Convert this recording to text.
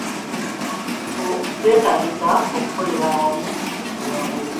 Kyetaagisa okukolera awamu okuwangula